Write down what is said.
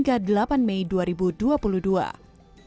maupun langsung di stasiun jakarta gudang hingga stasiun semarang tawang